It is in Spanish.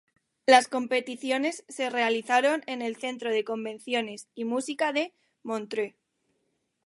Las competiciones se realizaron en el Centro de Convenciones y Música de Montreux.